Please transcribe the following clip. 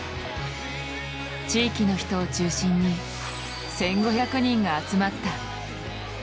地域の人を中心に１５００人が集まった。